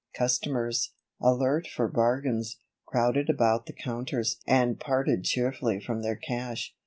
Customers, alert for bargains, crowded about the counters and parted cheerfully from their cash.